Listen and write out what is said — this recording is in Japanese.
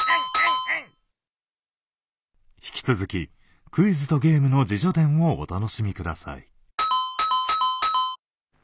引き続き「クイズとゲームの自叙伝」をお楽しみ下さい。